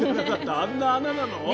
あんな花なの？ね